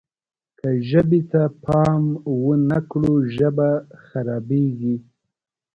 که ژبې ته پام ونه کړو ژبه خرابېږي.